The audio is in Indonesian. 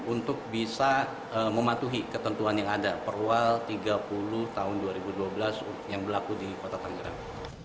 untuk bisa mematuhi ketentuan yang ada perlual tiga puluh tahun dua ribu dua belas yang berlaku di kota tangerang